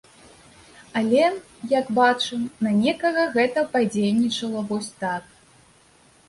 Але, як бачым, на некага гэта падзейнічала вось так.